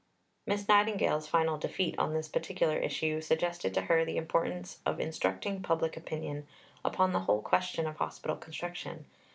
Miss Nightingale's final defeat on this particular issue suggested to her the importance of instructing public opinion upon the whole question of Hospital Construction.